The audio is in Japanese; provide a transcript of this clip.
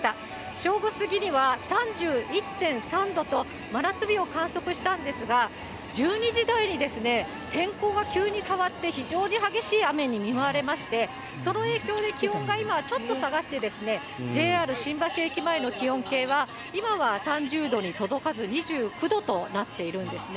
正午過ぎには３１．３度と、真夏日を観測したんですが、１２時台に天候が急に変わって非常に激しい雨に見舞われまして、その影響で気温が今、ちょっと下がって、ＪＲ新橋駅前の気温計は、今は３０度に届かず、２９度となっているんですね。